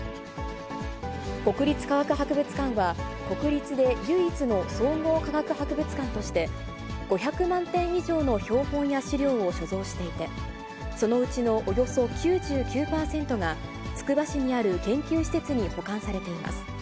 国立科学博物館は国立で唯一の総合科学博物館として、５００万点以上の標本や資料を所蔵していて、そのうちのおよそ９９％がつくば市にある研究施設に保管されています。